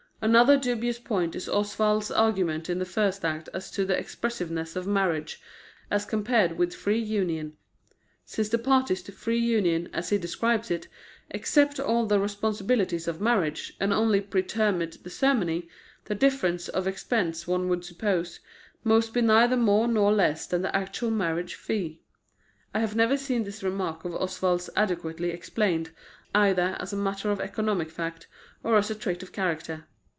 Another dubious point is Oswald's argument in the first act as to the expensiveness of marriage as compared with free union. Since the parties to free union, as he describes it, accept all the responsibilities of marriage, and only pretermit the ceremony, the difference of expense, one would suppose, must be neither more nor less than the actual marriage fee. I have never seen this remark of Oswald's adequately explained, either as a matter of economic fact, or as a trait of character.